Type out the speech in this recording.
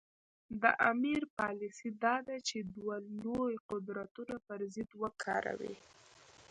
د امیر پالیسي دا ده چې دوه لوی قدرتونه پر ضد وکاروي.